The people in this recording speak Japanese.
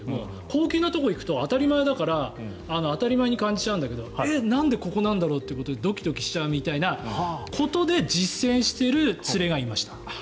高級なところに行くと当たり前だから当たり前に感じちゃうんだけどえ、なんでここなんだろうっていうことでドキドキしちゃうみたいなことで実践している連れがいました。